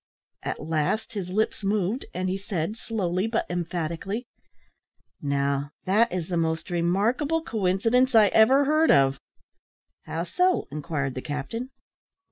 At last his lips moved, and he said, slowly but emphatically "Now, that is the most remarkable coincidence I ever heard of." "How so?" inquired the captain.